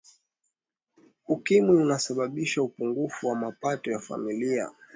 ukimwi unasababisha upungufu wa mapato ya familia